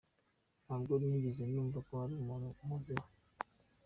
Ntabwo nigeze numva hari umuntu unkozeho.